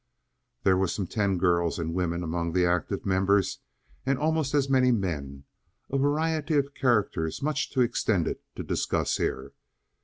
There were some ten girls and women among the active members, and almost as many men—a variety of characters much too extended to discuss here.